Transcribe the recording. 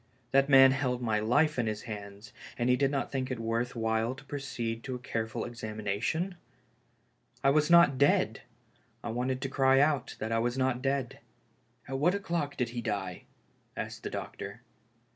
That man held my life in his hands, and he did not think it worth while to proceed to a ca]*e ful examination ! I was not dead 1 I wanted to cry out that I was not dead 1 " At what o'clock did he die ?" asked the doctor.